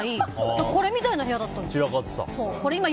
これみたいな部屋だったんですよ。